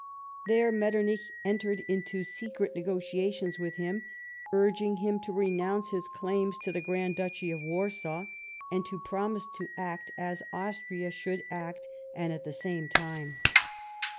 There Metternich entered into secret negotiations with him, urging him to renounce his claims to the Grand Dukedom of Warsaw, and to promise to act as Austria should act, and at the same time.